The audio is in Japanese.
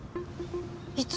いつ？